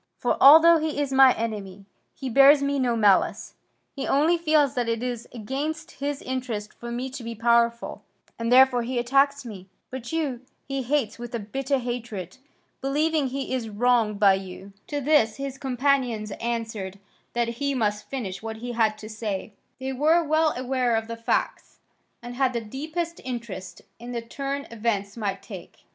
For, although he is my enemy, he bears me no malice, he only feels that it is against his interest for me to be powerful and therefore he attacks me. But you he hates with a bitter hatred, believing he is wronged by you." To this his companions answered that he must finish what he had to say; they were well aware of the facts, and had the deepest interest in the turn events might take.